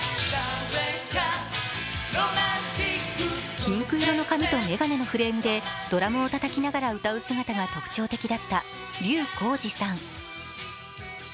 ピンク色の髪と眼鏡のフレームでドラムをたたきながら歌う姿が印象的だった笠浩二さん。